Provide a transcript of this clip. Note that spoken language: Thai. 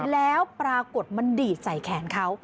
แล้วปรากฏมันดีดใส่แขนเขา